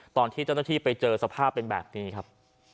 ตอนที่เจ้าหน้าที่ไปเจอสภาพเป็นแบบนี้ครับ